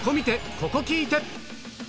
ここ聴いて！